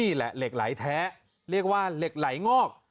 เหล็กไหลแท้เรียกว่าเหล็กไหลงอก